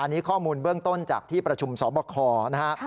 อันนี้ข้อมูลเบื้องต้นจากที่ประชุมสอบคอนะฮะ